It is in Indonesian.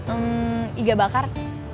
err iga bakar